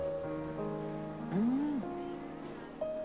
うん。